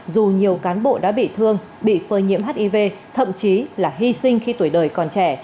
dù nhiều cán bộ đã bị thương bị phơi nhiễm hiv thậm chí là hy sinh khi tuổi đời còn trẻ